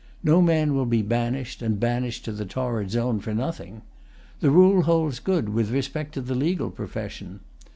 No man will be banished, and banished to the torrid zone, for nothing. The rule holds good with respect to the legal profession.